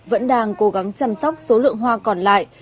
vẫn đang cố gắng chăm sóc số lượng hoa còn lại